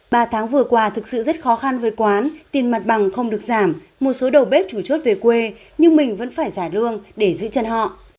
ba tháng vừa qua thực sự rất khó khăn với quán tiền mặt bằng không được giảm một số đầu bếp chủ chốt về quê nhưng mình vẫn phải trả lương để giữ chân họ